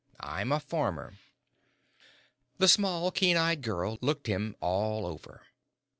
I'm a farmer." The small, keen eyed girl looked him all over.